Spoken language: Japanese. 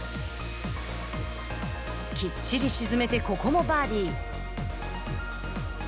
きっちり沈めてここもバーディー。